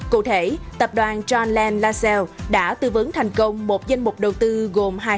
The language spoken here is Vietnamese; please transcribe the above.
cụ thể tập đoàn john land lascelles đã tư vấn thành công một danh mục đầu tư gồm hai năm triệu đô la mỹ